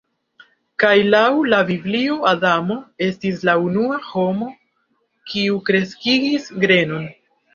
Kaj laŭ la Biblio Adamo estis la unua homo kiu kreskigis grenon.